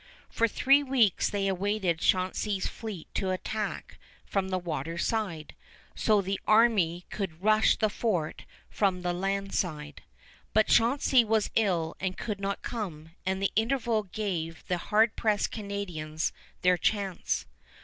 For three weeks they awaited Chauncey's fleet to attack from the water side, so the army could rush the fort from the land side; but Chauncey was ill and could not come, and the interval gave the hard pressed Canadians their chance.